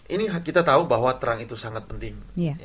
ini kita tahu bahwa terang itu sangat penting